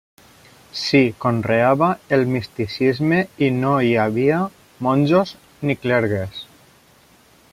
S'hi conreava el misticisme i no hi havia monjos ni clergues.